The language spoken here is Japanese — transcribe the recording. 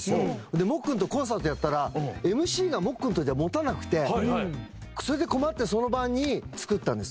でもっくんとコンサートやったらＭＣがもっくんとじゃ持たなくてそれで困ってその晩に作ったんです。